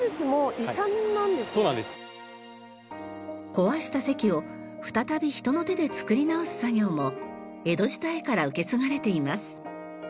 壊した堰を再び人の手で作り直す作業も江戸時代から受け継がれています。